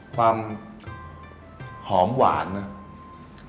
ความหอมหวานนะ